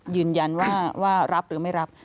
ยืนยันว่ารับหรือไม่รับ